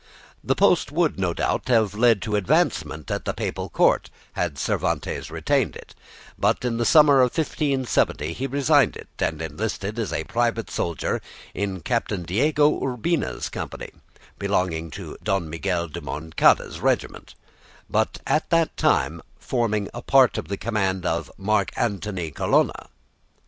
The post would no doubt have led to advancement at the Papal Court had Cervantes retained it, but in the summer of 1570 he resigned it and enlisted as a private soldier in Captain Diego Urbina's company, belonging to Don Miguel de Moncada's regiment, but at that time forming a part of the command of Marc Antony Colonna.